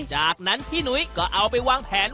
จากนั้นพี่หนุ้ยก็เอาไปวางแผน